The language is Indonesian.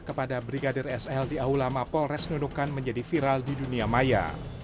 kepada brigadir sl di aulama polres nunukan menjadi viral di dunia maya